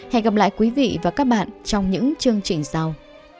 hẹn gặp lại quý vị và các bạn trong những chương trình sau